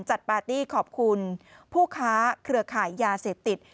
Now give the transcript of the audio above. ปาร์ตี้ขอบคุณผู้ค้าเครือข่ายยาเสพติด